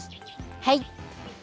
はい。